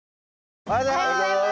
おはようございます。